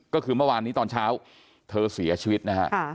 ก็คือเมื่อวานนี้ตอนเช้าเธอเสียชีวิตนะฮะ